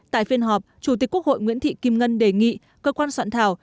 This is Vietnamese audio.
tại phiên họp chủ tịch quốc hội nguyễn thị kim ngân đề nghị cơ quan soạn thảo